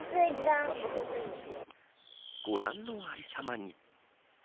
ご覧のありさまに。